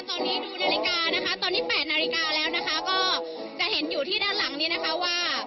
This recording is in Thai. ตอนนี้ดูนาฬิกานะคะตอนนี้๘นาฬิกาแล้วนะคะก็จะเห็นอยู่ที่ด้านหลังนี้นะคะว่า